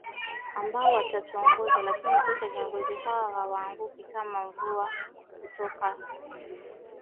ambao watatuongoza lakini sasa viongozi hawa hawaaanguki kama mvua kutoka kutoka juu